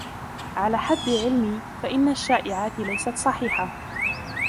على حد علمي ، فإن الشائعات ليست صحيحة.